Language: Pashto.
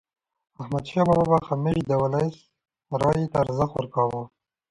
احمدشاه بابا به همیشه د ولس رایې ته ارزښت ورکاوه.